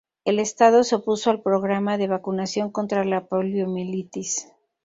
El estado se opuso al programa de vacunación contra la poliomielitis.